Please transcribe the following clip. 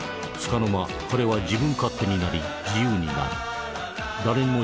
つかの間彼は自分勝手になり自由になる。